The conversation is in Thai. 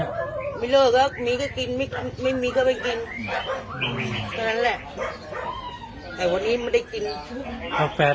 ไม่มีก็ไปกินตอนนั้นแหละแต่วันนี้ไม่ได้กินเอาแฟนไปไหนไปทำงาน